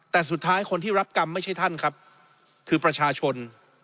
แต่สุดท้ายคนที่รับกรรมไม่ใช่ท่านครับคือประชาชน